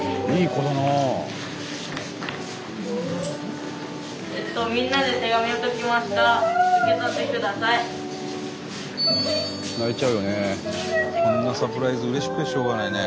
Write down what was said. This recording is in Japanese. こんなサプライズうれしくてしょうがないね。